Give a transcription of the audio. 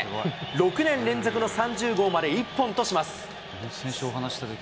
６年連続の３０号まで１本とします。